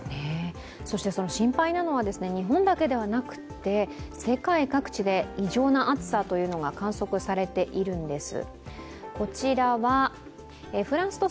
そして心配なのは日本だけではなくて世界各地で異常な暑さが観測されているんです。